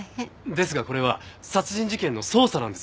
ですがこれは殺人事件の捜査なんですよ。